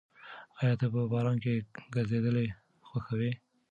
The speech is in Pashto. ایا ته په باران کې ګرځېدل خوښوې؟